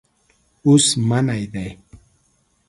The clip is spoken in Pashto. اوس منی دی.